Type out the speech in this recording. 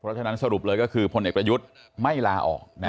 เพราะฉะนั้นสรุปเลยก็คือพลเอกประยุทธ์ไม่ลาออก